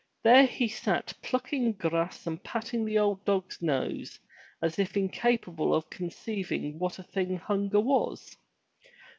There he sat plucking grass and patting the old dog's nose as if incapable of conceiving what a thing hunger was.